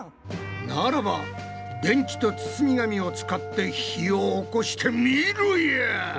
ならば電池と包み紙を使って火をおこしてみろや！